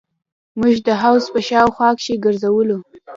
موږ د حوض په شاوخوا کښې ګرځېدلو.